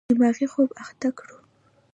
دماغي خوب اخته کړو.